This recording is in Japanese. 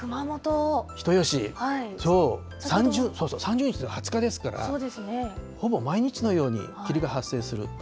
人吉、そう、３０日のうち２０日ですから、ほぼ毎日のように霧が発生する。